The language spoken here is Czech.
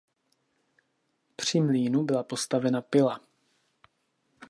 Při mlýnu byla postavena pila.